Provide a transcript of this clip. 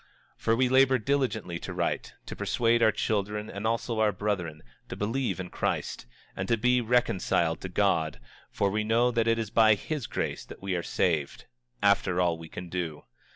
25:23 For we labor diligently to write, to persuade our children, and also our brethren, to believe in Christ, and to be reconciled to God; for we know that it is by grace that we are saved, after all we can do.